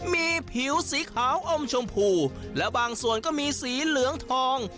มีผิวสีขาวอมชมพูและบางส่วนก็มีสีเหลืองทอง